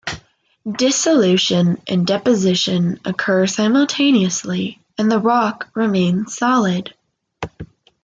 Dissolution and deposition occur simultaneously and the rock remains solid.